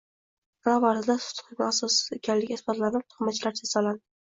Pirovardida sud hukmi asossiz ekanligi isbotlanib, tuhmatchilar jazolandi